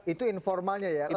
itu informalnya ya